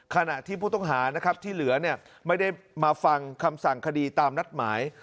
ขณะที่ผู้ต้องหาที่เหลือไม่ได้มาฟังคำสั่งคดีตามนัดหมาย